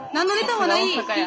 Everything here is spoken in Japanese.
はい。